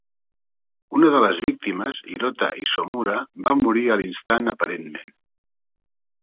Una de les víctimes, Hirota Isomura, va morir a l'instant aparentment.